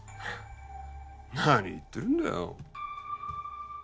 何言ってるんだよ。